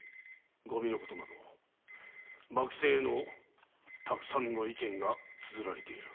ゴミのことなど幕政へのたくさんの意見が綴られている。